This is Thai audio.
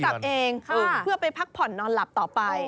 กลับเองเพื่อไปพักผ่อนนอนหลับต่อไป